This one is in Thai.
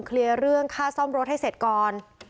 เคลียร์เรื่องค่าซ่อมโรทให้เสร็จก่อน